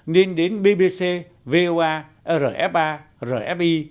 nên đến bbc voa rfa rfi